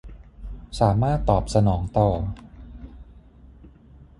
สามารถตอบสนองต่อ